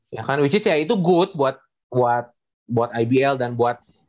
ya kan which is ya itu good buat ibl dan buat